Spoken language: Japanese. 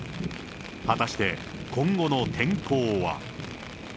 果たして、今後の天候は。